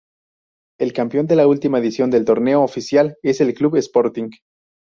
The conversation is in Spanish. El campeón de la última edición del torneo oficial, es el Club Sporting.